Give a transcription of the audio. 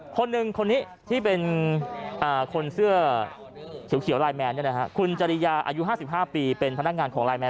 คนหนึ่งคนนี้ที่เป็นคนเสื้อเขียวลายแมนคุณจริยาอายุ๕๕ปีเป็นพนักงานของไลแน